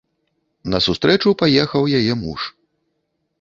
На сустрэчу паехаў яе муж.